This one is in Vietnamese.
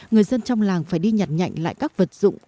người dân trong làng phải đi nhặt nhạnh lại các vật dụng